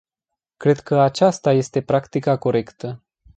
Cred că aceasta este practica corectă.